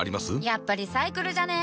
やっぱリサイクルじゃね？